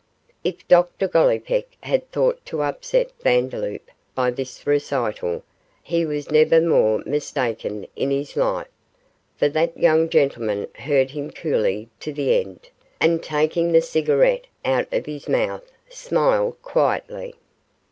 If Doctor Gollipeck had thought to upset Vandeloup by this recital, he was never more mistaken in his life, for that young gentleman heard him coolly to the end, and taking the cigarette out of his mouth, smiled quietly.